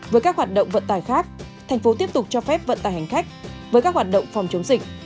với các hoạt động vận tải khác thành phố tiếp tục cho phép vận tải hành khách với các hoạt động phòng chống dịch